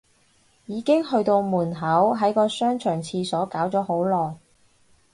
已經去到門口，喺個商場廁所搞咗好耐